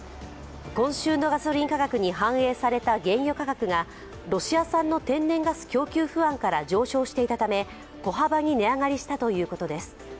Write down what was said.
今週のガソリン価格に反映された原油価格がロシア産の天然ガス供給不安から上昇していたため、小幅に値上がりしたということです。